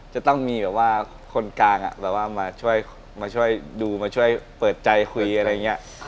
จะต้องมีบ่วนคนกลางอะแบบว่ามาช่วยมาช่วยดูมาช่วยเปิดใจคุยอะไรเงี้ย